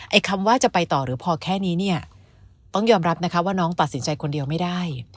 คำว่าจะไปต่อหรือพอแค่นี้เนี่ยต้องยอมรับนะคะว่าน้องตัดสินใจคนเดียวไม่ได้